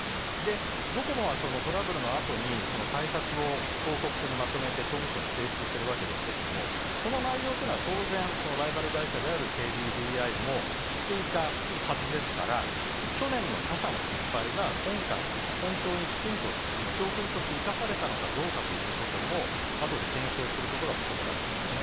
ドコモはトラブルのあとに対策を報告書にまとめて、総務省に提出してるわけですけれども、その内容というのは、当然、ライバル会社である、ＫＤＤＩも知っていたはずですから、去年の他社の失敗が、今回、本当にきちんと教訓として生かされたのかどうかということも、あとで検証することが求められますね。